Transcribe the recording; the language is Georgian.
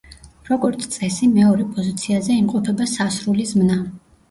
როგორც წესი, მეორე პოზიციაზე იმყოფება სასრული ზმნა.